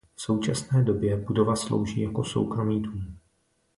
V současné době budova slouží jako soukromý dům.